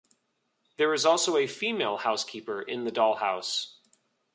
There is also a female housekeeper in the dollhouse.